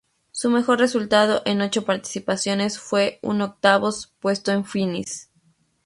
Su mejor resultado en ocho participaciones fue un octavos puesto en Phoenix.